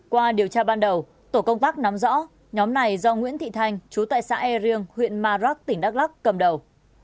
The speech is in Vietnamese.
qua điều tra ban đầu tổ công tác nắm rõ nhóm này do nguyễn thị thanh chú tại xã e riêng huyện marak tỉnh đắk lắc cầm đầu